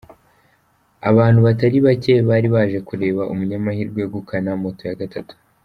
Abantu batari bake bari baje kureba umunyamahirwe wegukanye moto ya gatatu.